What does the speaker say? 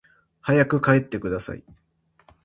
早く帰ってください